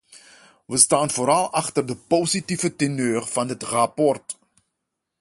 Wij staan vooral achter de positieve teneur van het rapport.